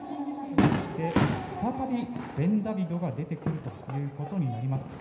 そして、再びベンダビドが出てくるということになります。